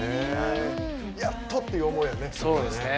やっと！っていう思いやね。